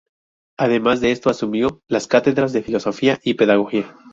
Además de esto asumió las cátedras de Filosofía y Pedagogía.